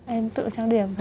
em tự trang điểm thôi